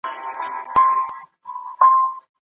آیا پوهېږئ چې خندا د وینې جریان په رګونو کې تېزوي؟